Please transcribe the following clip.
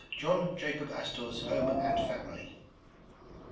JOHN JACOB ASTOR'S HOME AND FAMILY.